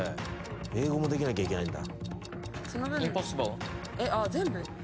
英語もできなきゃいけないんだ。